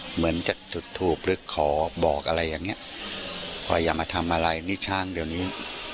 เหมือนจะถูกหลึกคอบอกอะไรอย่างเนี้ยพออย่ามาทำอะไรนี่ช่างเดี๋ยวนี้